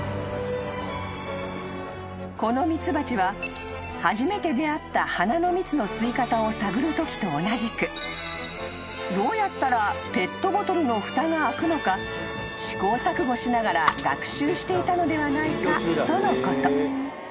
［このミツバチは初めて出会った花の蜜の吸い方を探るときと同じくどうやったらペットボトルのふたが開くのか試行錯誤しながら学習していたのではないかとのこと］